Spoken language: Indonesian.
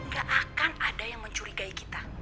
gak akan ada yang mencurigai kita